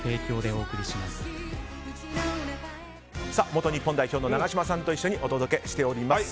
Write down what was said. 元日本代表の永島さんと一緒にお届けしております。